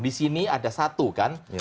di sini ada satu kan